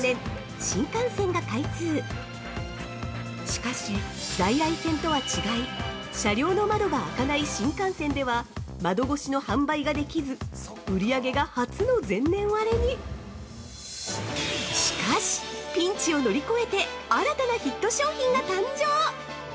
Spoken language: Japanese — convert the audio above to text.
しかし在来線とは違い、車両の窓が開かない新幹線では窓越しの販売ができず、売り上げが初の前年割れにしかし、ピンチを乗り越えて新たなヒット商品が誕生！